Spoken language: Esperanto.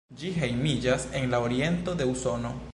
Ĝi hejmiĝas en la oriento de Usono.